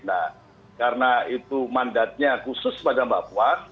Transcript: nah karena itu mandatnya khusus pada mbak puan